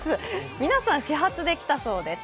皆さん始発で来たそうです。